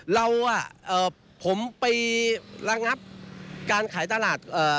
เราผมไประงับการขายตลาด